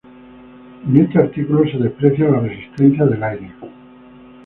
En este artículo se desprecia la resistencia del aire.